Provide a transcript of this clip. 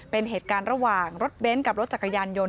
เป็นเหตุการณ์ระหว่างรถเบ้นกับรถจักรยานยนต